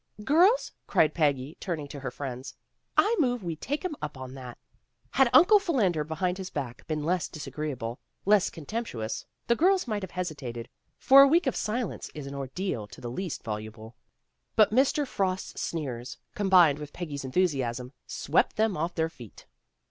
'' "Girls," cried Peggy turning to her friends, "I move we take him up on that." Had Uncle Philander Behind His Back been less disagreeable, less contemptuous, the girls might have hesitated, for a week of silence is an ordeal to the least voluble. But Mr. Frost 's sneers, combined with Peggy's enthusiasm, swept them off their feet.